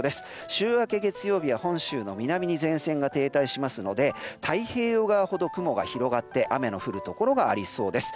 週明け月曜日は本州の南に前線が停滞しますので太平洋側ほど雲が広がって雨の降るところがありそうです。